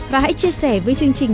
và hãy chia sẻ với chương trình